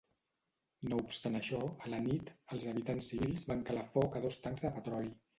No obstant això, a la nit, els habitants civils van calar foc a dos tancs de petroli.